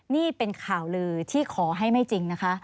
นี่เป็นข่าวลือที่ขอให้ไม่จริงนะคะ